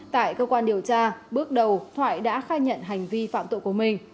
tại cơ quan điều tra bước đầu thoại đã khai nhận hành vi phạm tội của mình